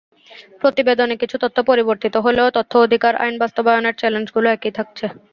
প্রতিবেদনে কিছু তথ্য পরিবর্তিত হলেও তথ্য অধিকার আইন বাস্তবায়নের চ্যালেঞ্জগুলো একই থাকছে।